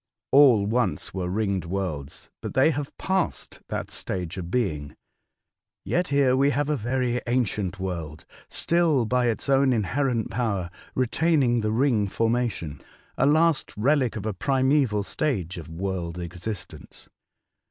All once were ringed worlds, but they have passed that stage of being. Yet here we have a very ancient world still by its own inherent power retaining the ring formation, — a last relic of a primaeval stage of world existence."